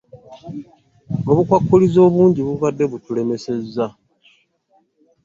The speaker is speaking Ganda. Obukwakkulizo obungi bubadde butulemesezza.